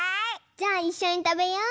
じゃあいっしょにたべよう！